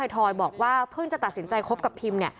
ทอยบอกว่าเพิ่งจะตัดสินใจคบกับพิม